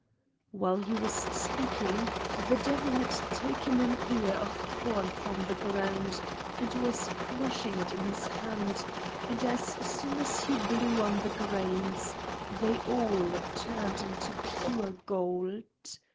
While he was speaking, the devil had taken an ear of corn from the ground and was crushing it in his hand, and as soon as he blew on the grains they all turned into pure gold.